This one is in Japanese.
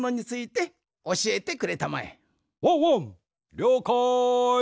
りょうかい。